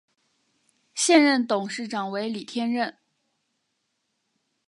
现任董事长为李天任。